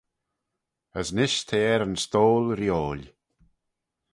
As nish t'eh er yn stoyl-reeoil.